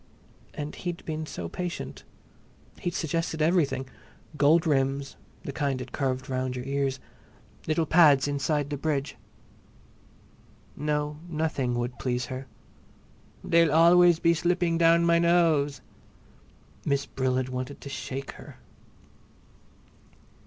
And he'd been so patient. He'd suggested everything—gold rims, the kind that curved round your ears, little pads inside the bridge. No, nothing would please her. "They'll always be sliding down my nose!" Miss Brill had wanted to shake her.